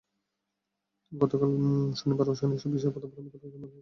গতকাল শনিবার রওশন এসব বিষয়ে প্রথমবারের মতো গণমাধ্যমে নিজের অবস্থান তুলে ধরেন।